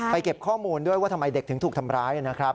เก็บข้อมูลด้วยว่าทำไมเด็กถึงถูกทำร้ายนะครับ